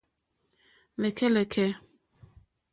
Lɛ̀kɛ́lɛ̀kɛ̀.